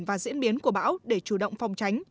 và diễn biến của bão để chủ động phòng tránh